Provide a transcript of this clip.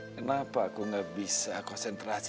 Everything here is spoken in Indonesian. kenapa aku nggak bisa konsentrasi